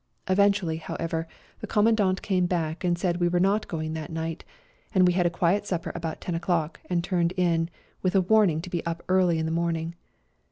Eventually, however, the Commandant came back and said we were not going that night, and we had a quiet supper about ten o'clock and turned in, with a warning to be up early in the morning.